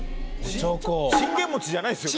信玄餅じゃないですよね？